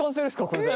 これで。